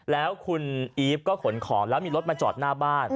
แล้วคุณอีฟก็ขนของแล้วมีรถมาจอดหน้าบ้าน